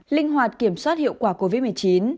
linh hoạt kiểm soát hiệu quả covid một mươi chín